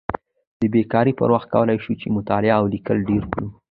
د بیکارۍ پر وخت کولی شو چې مطالعه او لیکل ډېر کړو.